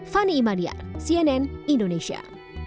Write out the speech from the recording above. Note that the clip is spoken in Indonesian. fanny imadiyar cnn indonesia